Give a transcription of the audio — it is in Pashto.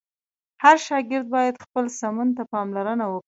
هر شاګرد باید خپل سمون ته پاملرنه وکړه.